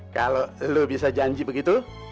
kalau lo bisa janji begitu